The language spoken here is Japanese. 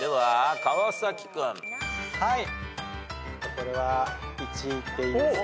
これは１いっていいですか？